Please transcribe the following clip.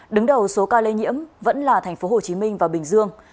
đứng đầu số ca lây nhiễm vẫn là tp hcm và bình dương